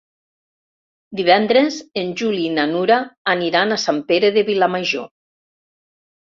Divendres en Juli i na Nura aniran a Sant Pere de Vilamajor.